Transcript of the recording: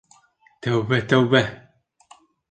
Тәүбә, тәүбә!..